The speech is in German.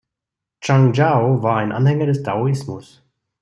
Zhang Jiao war ein Anhänger des Daoismus.